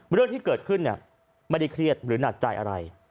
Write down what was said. เรื่องที่เกิดขึ้นไม่ได้เครียดหรือหนักใจอะไร